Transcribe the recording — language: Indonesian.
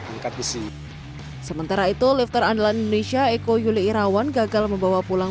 angkat besi sementara itu lifter andalan indonesia eko yuli irawan gagal membawa pulang